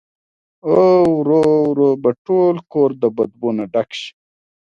او ورو ورو به ټول کور د بدبو نه ډک شي